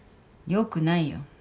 よくないよ。